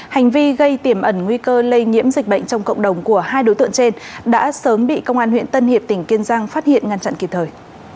hành vi gây tiềm ẩn nguy cơ lây nhiễm dịch bệnh trong cộng đồng của hai đối tượng trên đã sớm bị công an huyện tân hiệp tỉnh kiên giang phát hiện ngăn chặn kịp thời